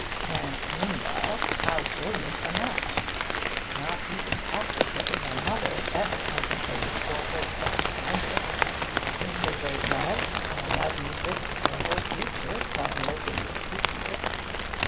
And, meanwhile, how brilliant a match! Not even Pasiphae, her mother, ever contemplated for her such splendour. In her great love, Ariadne risked her whole future by eloping with Theseus.